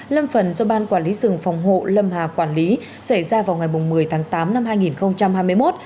lâm phần do ban quản lý rừng phòng hộ lâm hà quản lý xảy ra vào ngày một mươi tháng tám năm hai nghìn hai mươi một